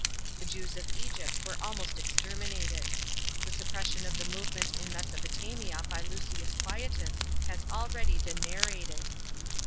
The Jews of Egypt were almost exterminated. The suppression of the movement in Mesopotamia by Lus>ius Quietus has already been ua' rated.